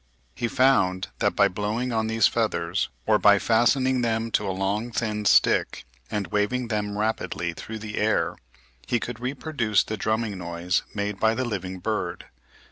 He found that by blowing on these feathers, or by fastening them to a long thin stick and waving them rapidly through the air, he could reproduce the drumming noise made by the living bird.